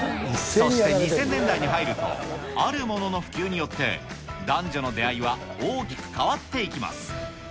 そして２０００年代に入ると、あるものの普及によって、男女の出会いは大きく変わっていきます。